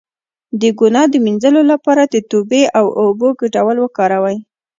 د ګناه د مینځلو لپاره د توبې او اوبو ګډول وکاروئ